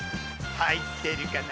入ってるかな？